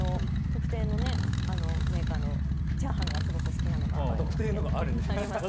特定のメーカーのチャーハンがすごく好きなんです。